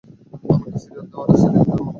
আমাকে সিরিয়াল দাও - আরে সিরিয়াল ওয়ালা।